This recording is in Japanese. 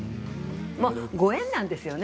ご縁なんですよね。